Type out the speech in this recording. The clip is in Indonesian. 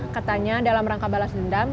katanya dalam rangka balas dendam